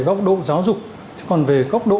góc độ giáo dục còn về góc độ